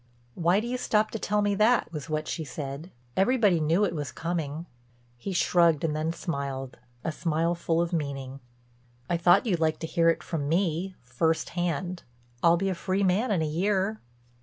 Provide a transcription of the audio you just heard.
"Why do you stop to tell me that," was what she said. "Everybody knew it was coming." He shrugged and then smiled, a smile full of meaning: "I thought you'd like to hear it—from me, first hand. I'll be a free man in a year."